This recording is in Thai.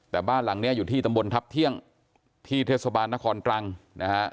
แต่บ้านหลังนี้อยู่ที่ตำบลทัพเที่ยงที่เทศบาลนครตรังนะฮะ